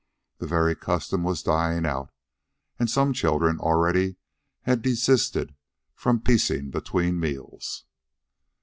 The very custom was dying out, and some children already had desisted from piecing between meals.